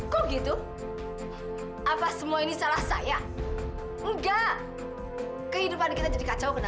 kita buang aja dia di sini bos